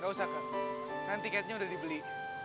gak usah kan kan tiketnya udah dibeli